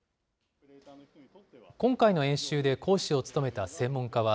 今回の演習で講師を務めた専門家は、